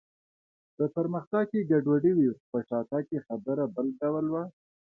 په پرمختګ کې ګډوډي وي، خو په شاتګ کې خبره بل ډول وه.